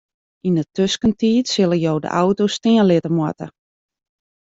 Yn 'e tuskentiid sille jo de auto stean litte moatte.